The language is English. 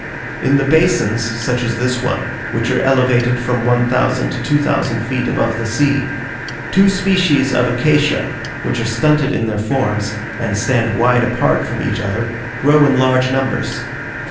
In the basins, such as this one, which are elevated from one thousand to two thousand feet above the sea, two species of acacia, which are stunted in their forms, and stand wide apart from each other, grow in large numbers.